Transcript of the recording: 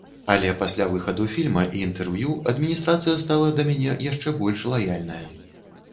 Але пасля выхаду фільма і інтэрв'ю адміністрацыя стала да мяне яшчэ больш лаяльная.